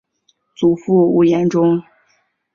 祖父吴彦忠。